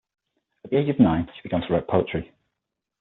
At the age of nine she began to write poetry.